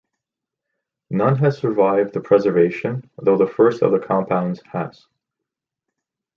None has survived to preservation, though the first of the compounds has.